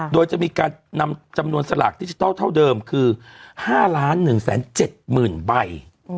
โดยจะมีการนำจำนวนสลากดิจิทัลเท่าเดิมคือ๕๑๗๐๐๐ใบ